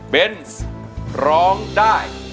เบนส์ร้องได้